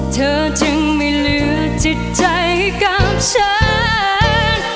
เธอจึงไม่เหลือจิตใจกับฉัน